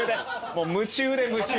もう夢中で夢中で。